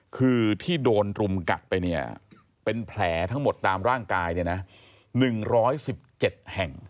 คือที่โดนรุมกัดไปเนี่ยเป็นแผลทั้งหมดตามร่างกาย๑๑๗แห่ง